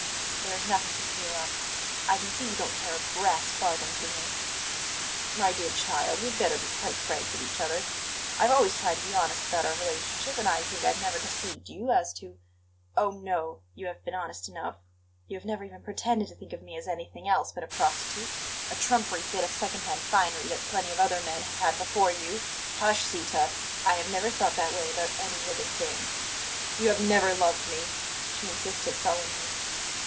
"There's nothing to clear up. I can see you don't care a brass farthing for me." "My dear child, we had better be quite frank with each other. I have always tried to be honest about our relationship, and I think I have never deceived you as to " "Oh, no! you have been honest enough; you have never even pretended to think of me as anything else but a prostitute, a trumpery bit of second hand finery that plenty of other men have had before you " "Hush, Zita! I have never thought that way about any living thing." "You have never loved me," she insisted sullenly.